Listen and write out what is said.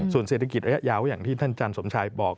ส่วนเศรษฐกิจระยะยาวก็อย่างที่ท่านอาจารย์สมชายบอก